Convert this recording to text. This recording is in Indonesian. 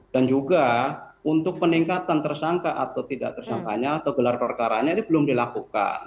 dan juga untuk peningkatan tersangka atau tidak tersangkanya atau gelar gelar karanya ini belum dilakukan